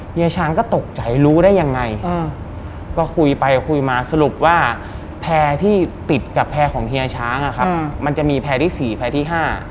เฮียช้างก็ตกใจรู้ได้ยังไงก็คุยไปคุยมาสรุปว่าแพร่ที่ติดกับแพร่ของเฮียช้างมันจะมีแพร่ที่๔แพร่ที่๕